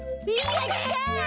やった！